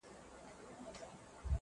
خدای مهربان دی، خدای ساتلې له خمار کوڅه~